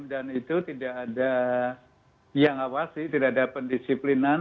dan itu tidak ada yang awasi tidak ada pendisiplinan